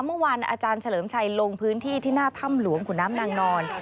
เมื่อวานอาจารย์เฉลิมชัยลงพื้นที่ที่หน้าถ้ำหลวงขุนน้ำนางนอน